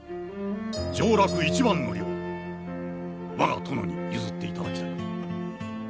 上洛一番乗りを我が殿に譲っていただきたい。